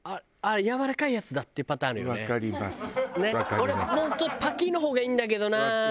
俺本当はパキッの方がいいんだけどな。